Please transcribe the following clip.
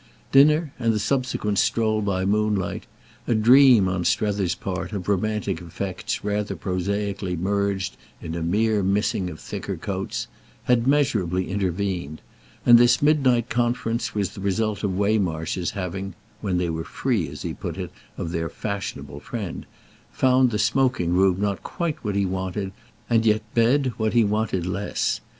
Dinner and the subsequent stroll by moonlight—a dream, on Strether's part, of romantic effects rather prosaically merged in a mere missing of thicker coats—had measurably intervened, and this midnight conference was the result of Waymarsh's having (when they were free, as he put it, of their fashionable friend) found the smoking room not quite what he wanted, and yet bed what he wanted less.